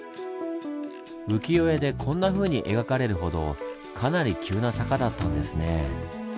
浮世絵でこんなふうに描かれるほどかなり急な坂だったんですね。